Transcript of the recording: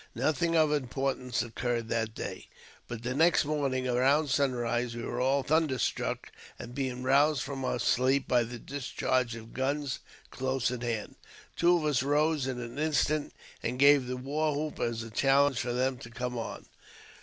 Nothing of importance occurred that day ; but the next morning, about sunrise, we were all thunderstruck at being roused from our sleep by the discharge of guns close at hand. Two of us rose in an instant, and gave the war hoop as a challenge for them to come on.